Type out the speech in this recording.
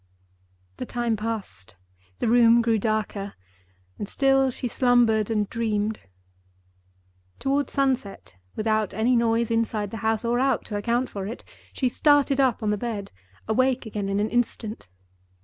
The time passed, the room grew darker; and still she slumbered and dreamed. Toward sunset—without any noise inside the house or out to account for it—she started up on the bed, awake again in an instant.